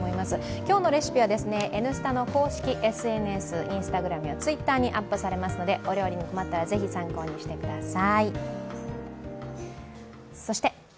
今日のレシピは「Ｎスタ」の公式ＳＮＳ、ＩｎｓｔａｇｒａｍやＴｗｉｔｔｅｒにアップされますのでお料理に困ったらぜひ参考にしてください。